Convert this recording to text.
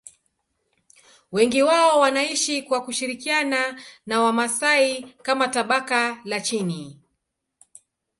Wengi wao wanaishi kwa kushirikiana na Wamasai kama tabaka la chini.